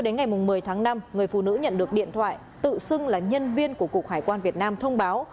người phụ nữ nhận được điện thoại tự xưng là nhân viên của cục hải quan việt nam thông báo